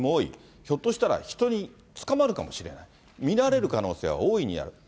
ひょっとしたら人に捕まるかもしれない、見られる可能性は大いにある。